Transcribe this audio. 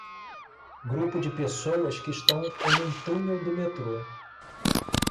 Grupo de pessoas que estão em um túnel do metrô.